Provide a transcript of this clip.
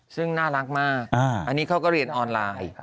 ซึ่งน่ารักมากอันนี้เขาก็เรียนออนไลน์